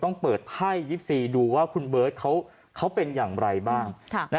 ต้องเปิดไพ่๒๔ดูว่าคุณเบิร์ตเขาเป็นอย่างไรบ้าง